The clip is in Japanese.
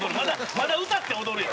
まだ歌って踊るよ。